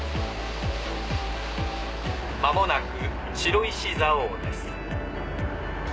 間もなく白石蔵王です。